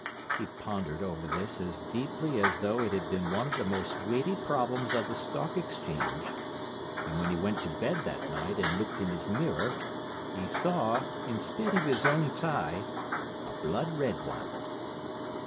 He pondered over this as deeply as though it had been one of the most weighty problems of the Stock Exchange, and when he went to bed that night and looked in his mirror, he saw, instead of his own tie, a blood red one.